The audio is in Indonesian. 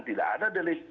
tidak ada delegitimasi